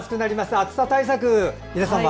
暑さ対策、井田さんは？